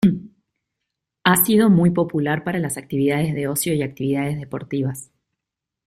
Ha sido muy popular para las actividades de ocio y actividades deportivas.